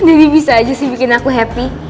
jadi bisa aja sih bikin aku happy